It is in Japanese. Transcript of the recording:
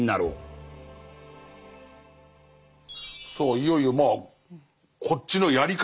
いよいよまあこっちのやり方